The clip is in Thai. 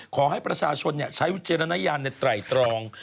ขอให้ประชาชนใช้วิจารณญาณในไตรตรอง